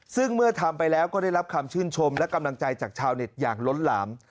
ซึ่งเมื่อทำไปแล้วก็ได้รับคำชื่นชมและกำลังใจจากชาวเน็ตอย่างล้นหลาม